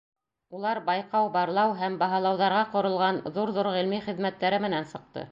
Улар байҡау-барлау һәм баһалауҙарға ҡоролған ҙур-ҙур ғилми хеҙмәттәре менән сыҡты.